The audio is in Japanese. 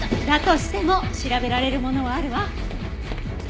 だとしても調べられるものはあるわ。